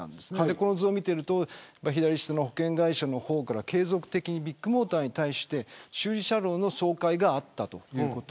この図を見ていると左下の保険会社の方から継続的にビッグモーターに対して修理車両の紹介があったということ。